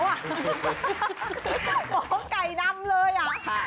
หมอกัยนำเลยค่ะ